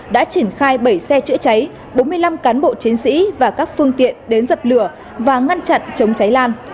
đã triển khai bảy xe chữa cháy bốn mươi năm cán bộ chiến sĩ và các phương tiện đến dập lửa và ngăn chặn chống cháy lan